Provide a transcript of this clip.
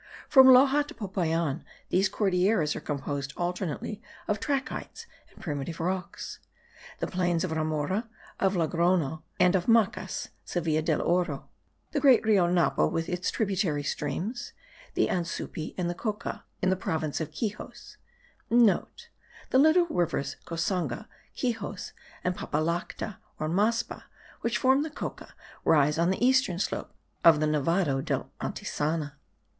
From Loxa to Popayan these Cordilleras are composed alternately of trachytes and primitive rocks. The plains of Ramora, of Logrono, and of Macas (Sevilla del Oro), the great Rio Napo with its tributary streams* (the Ansupi and the Coca, in the province of Quixos (* The little rivers Cosanga, Quixos, and Papallacta or Maspa, which form the Coca, rise on the eastern slope of the Nevado de Antisana.